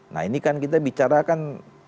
nah ini kan kita bicara kan